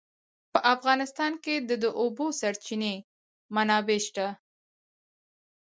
په افغانستان کې د د اوبو سرچینې منابع شته.